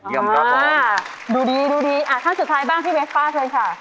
เยี่ยมครับดูดีขั้นสุดท้ายบ้างที่เบสป้าเชิญค่ะ